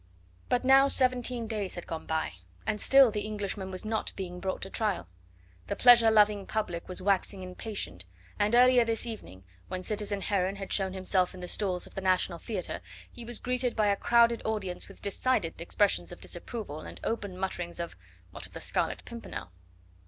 But now seventeen days had gone by and still the Englishman was not being brought to trial. The pleasure loving public was waxing impatient, and earlier this evening, when citizen Heron had shown himself in the stalls of the national theatre, he was greeted by a crowded audience with decided expressions of disapproval and open mutterings of: "What of the Scarlet Pimpernel?"